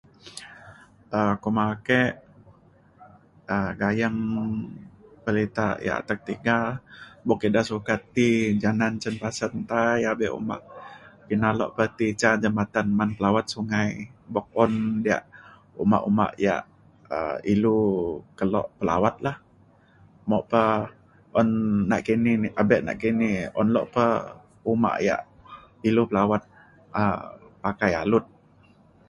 um kuma ake um gayeng perinta yak atek tiga buk ida sukat ti janan cen pasen tai abe uma kina lok pa ti ca jambatan men pelawat sungai buk un diak uma uma yak um ilu kelo pelawat lah mok pa un nakini pabe nakini un lok pa uma yak ilu pelawat um pakai alut